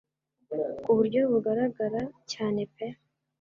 ku buryo bugaragara cyane pe